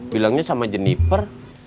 bilangnya sama jeniper